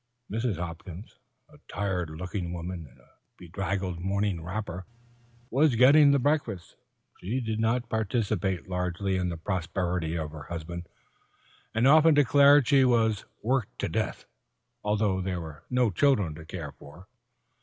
Mrs. Hopkins, a tired looking woman in a bedraggled morning wrapper, was getting the breakfast. She did not participate largely in the prosperity of her husband, and often declared she was "worked to death," although there were no children to care for.